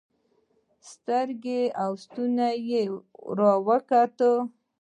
سترګې او ستونى يې راوکتل.